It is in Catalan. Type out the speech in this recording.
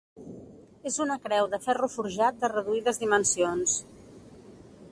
És una creu de ferro forjat de reduïdes dimensions.